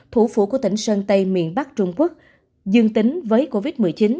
thủ phủ của tỉnh sơn tây miền bắc trung quốc dương tính với covid một mươi chín